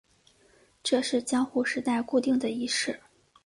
这是江户时代固定的仪式。